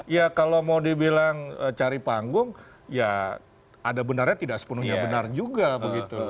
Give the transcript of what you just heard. ya kalau mau dibilang cari panggung ya ada benarnya tidak sepenuhnya benar juga begitu